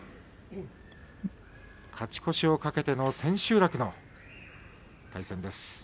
勝ち越しをかけての千秋楽の対戦です。